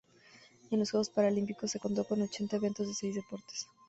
En los Juegos Paralímpicos se contó con ochenta eventos de seis deportes.